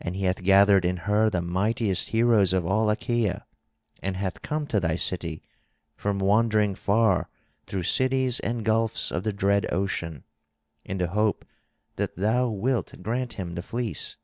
And he hath gathered in her the mightiest heroes of all Achaea, and hath come to thy city from wandering far through cities and gulfs of the dread ocean, in the hope that thou wilt grant him the fleece.